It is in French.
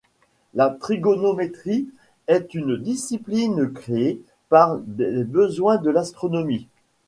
La trigonométrie est une discipline créée pour les besoins de l'astronomie.